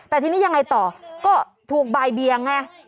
แต่ทีนี้ยังไงต่อก็ถูกบ่ายเบียงไง